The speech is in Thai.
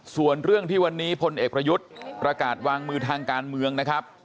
ส่วนเรื่องที่วันนี้พลเอกประยุทธ์ประกาศวางมือทางการเมืองนะครับ